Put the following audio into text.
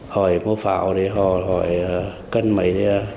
hỏi mua pháo họ hỏi cân mấy